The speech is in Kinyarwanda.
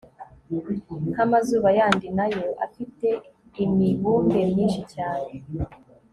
nk'amazuba yandi nayo afite imibumbe myinshi cyane